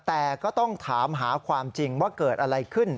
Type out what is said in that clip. แต่ก็ต้องถามหาความจริงว่าเกิดอะไรขึ้น